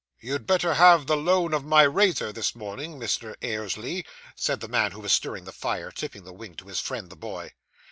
'You'd better have the loan of my razor this morning, Mr. Ayresleigh,' said the man who was stirring the fire, tipping the wink to his friend the boy.